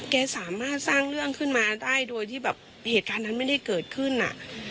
แกสามารถสร้างเรื่องขึ้นมาได้โดยที่แบบเหตุการณ์นั้นไม่ได้เกิดขึ้นอ่ะ